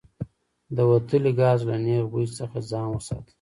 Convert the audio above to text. د وتلي ګاز له نیغ بوی څخه ځان وساتئ.